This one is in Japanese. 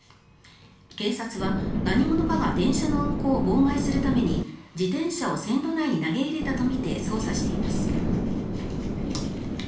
警察は何者かが電車の運行を妨害するために自転車を線路内に投げ入れたとみて捜査しています。